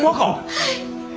はい！